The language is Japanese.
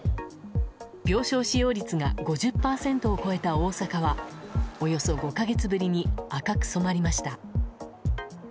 病床使用率が５０％を超えた大阪はおよそ５か月ぶりに赤く染まりました。